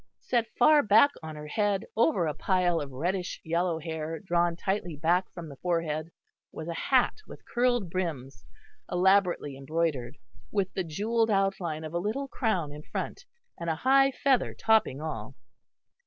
Set far back on her head, over a pile of reddish yellow hair drawn tightly back from the forehead, was a hat with curled brims, elaborately embroidered, with the jewelled outline of a little crown in front, and a high feather topping all.